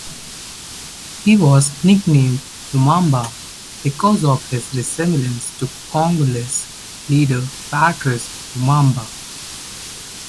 He was nicknamed "Lumumba", because of his resemblance to Congolese leader Patrice Lumumba.